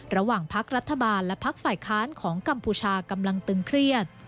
ระหว่างพักรัฐบาลและพักฝ่ายค้านของกัมพูชากำลังตึงเครียด